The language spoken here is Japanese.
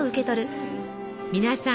皆さん